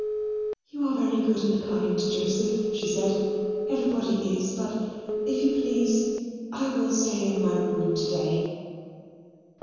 "You are very good and kind, Joseph," she said. "Everybody is, but, if you please, I will stay in my room to day."